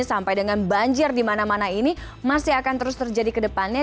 sampai dengan banjir di mana mana ini masih akan terus terjadi ke depannya